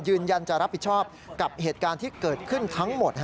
ยืนยันจะรับผิดชอบกับเหตุการณ์ที่เกิดขึ้นทั้งหมด